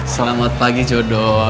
selamat pagi jodoh